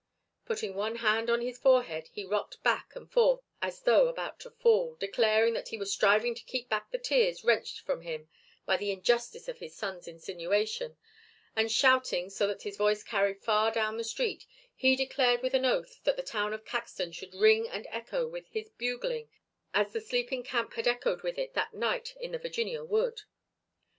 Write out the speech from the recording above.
Putting one hand on his forehead he rocked back and forth as though about to fall, declaring that he was striving to keep back the tears wrenched from him by the injustice of his son's insinuation and, shouting so that his voice carried far down the street, he declared with an oath that the town of Caxton should ring and echo with his bugling as the sleeping camp had echoed with it that night in the Virginia wood.